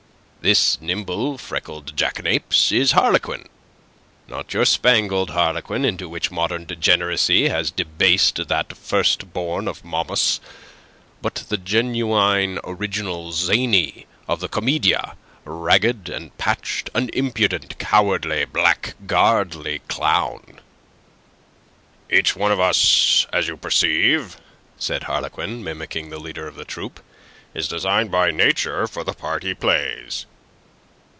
This nimble, freckled jackanapes is Harlequin; not your spangled Harlequin into which modern degeneracy has debased that first born of Momus, but the genuine original zany of the Commedia, ragged and patched, an impudent, cowardly, blackguardly clown." "Each one of us, as you perceive," said Harlequin, mimicking the leader of the troupe, "is designed by Nature for the part he plays."